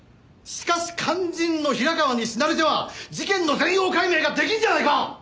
しかし肝心の平川に死なれては事件の全容解明ができんじゃないか！